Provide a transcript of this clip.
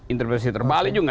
interpretasi terbalik juga